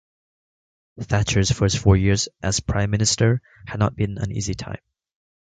Thatcher's first four years as prime minister had not been an easy time.